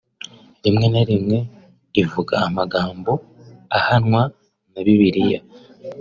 rimwe na rimwe ivuga amagambo ahwana n’aya Bibiliya